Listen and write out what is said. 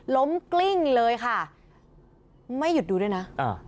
กลิ้งเลยค่ะไม่หยุดดูด้วยนะอ่า